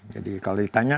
jadi kalau ditanya